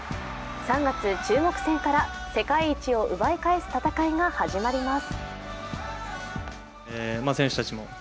３月、中国戦から世界一を奪い返す戦いが始まります。